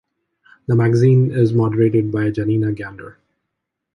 The magazine is moderated by Janina Gander.